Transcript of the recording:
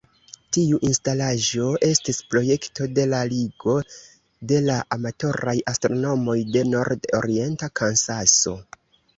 Tiu instalaĵo estis projekto de la Ligo de la Amatoraj Astronomoj de Nord-Orienta Kansaso.